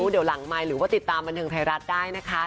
เดี๋ยวหลังไมค์หรือว่าติดตามบันเทิงไทยรัฐได้นะคะ